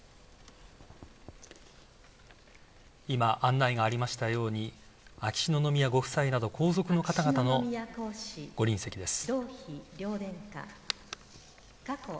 今、案内がありましたように秋篠宮ご夫妻など皇族の方々のご臨席です。